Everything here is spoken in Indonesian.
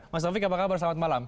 mas taufik apa kabar selamat malam